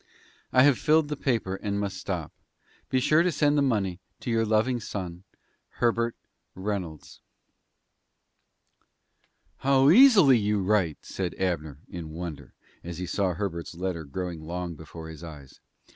"I have filled the paper, and must stop. Be sure to send the money to your loving son, "HERBERT REYNOLDS." "How easy you write!" said Abner, in wonder, as he saw Herbert's letter growing long before his eyes.